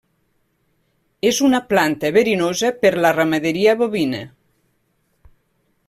És una planta verinosa per la ramaderia bovina.